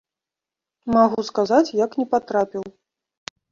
Магу сказаць, як не патрапіў.